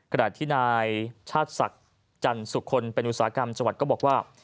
ขณะที่นายชาติศักดิ์จันสุคลเป็นอุตสาหกรรมจังหวัดก็บอกว่า